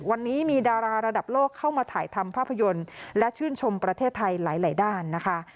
วันนี้มีดาราระดับโลกเข้ามาถ่ายทำภาพยนตร์และชื่นชมประเทศไทยหลายด้านนะคะ